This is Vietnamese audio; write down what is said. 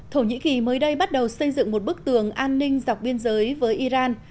thổ nhĩ kỳ mới đây bắt đầu xây dựng một bức tường an ninh dọc biên giới với iran